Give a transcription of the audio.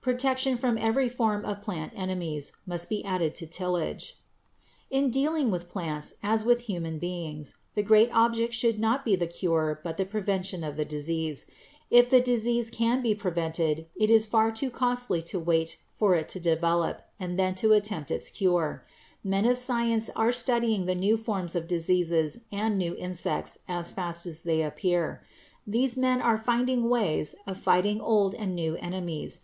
Protection from every form of plant enemies must be added to tillage. [Illustration: FIG. 170. SPRAYING THE ORCHARD One way of increasing the yield of fruit] In dealing with plants, as with human beings, the great object should be not the cure but the prevention of disease. If disease can be prevented, it is far too costly to wait for it to develop and then to attempt its cure. Men of science are studying the new forms of diseases and new insects as fast as they appear. These men are finding ways of fighting old and new enemies.